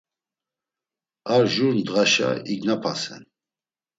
Ar jur ndğaşa ignapasen.